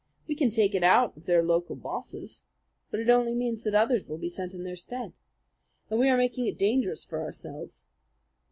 We can take it out of their local bosses; but it only means that others will be sent in their stead. And we are making it dangerous for ourselves.